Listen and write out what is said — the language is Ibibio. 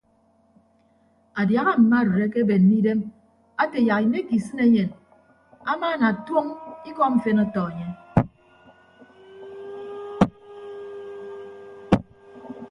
Adiaha mma arịd akebenne idem ate yak inekke isịn eyịn amaana tuoñ ikọ mfen ọtọ enye.